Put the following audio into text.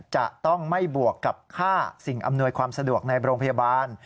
จะต้องไม่บวกกับค่าสิ่งอำนวยความสะดวกในโรงพยาบาล